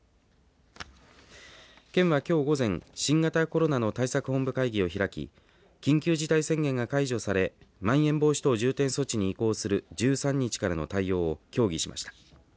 県はきょう午前新型コロナの対策本部会議を開き緊急事態宣言が解除されまん延防止等重点措置に移行する１３日からの対応を協議しました。